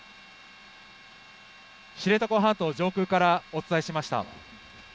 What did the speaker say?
知床半島上空からお伝えしました。